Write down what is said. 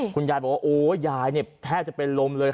คุณยายบอกว่าโอ้ยายเนี่ยแทบจะเป็นลมเลย